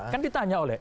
kan ditanya oleh